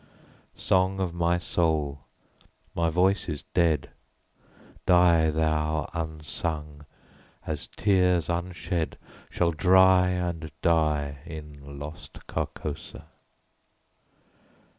Song of my soul, my voice is dead; Die thou, unsung, as tears unshed Shall dry and die in Lost Carcosa.